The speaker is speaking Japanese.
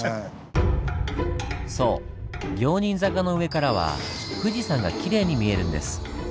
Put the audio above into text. そう行人坂の上からは富士山がきれいに見えるんです。